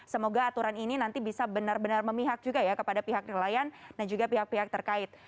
semoga aturan ini nanti bisa benar benar memihak juga ya kepada pihak nelayan dan juga pihak pihak terkait